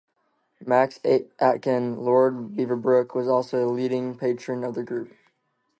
Max Aitken, Lord Beaverbrook was also a leading patron of the group.